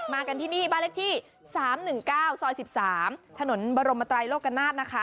กันที่นี่บ้านเลขที่๓๑๙ซอย๑๓ถนนบรมไตรโลกนาศนะคะ